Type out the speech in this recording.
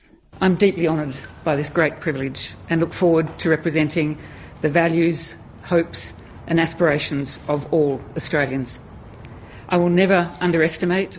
saya sangat berterima kasih atas kemampuan ini dan menantikan untuk mewakili nilai harapan dan aspirasi semua orang australia